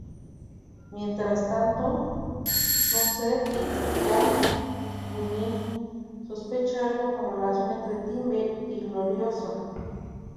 Mientras tanto, Sunset con Twilight, sospecha algo con relación entre Timber y Gloriosa.